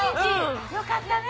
よかったね。